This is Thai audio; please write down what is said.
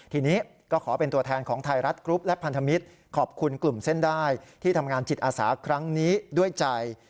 ทีนี้ก็ขอเป็นตัวแทนของไทยรัฐกรุ๊ปและพันธมิตรขอบคุณกลุ่มเส้นได้ที่ทำงานจิตอาสาครั้งนี้ด้วยใจ